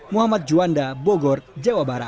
muhammad juanda bogor jawa barat